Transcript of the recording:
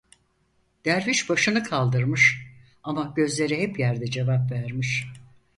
Derviş başını kaldırmış, ama gözleri hep yerde cevap vermiş: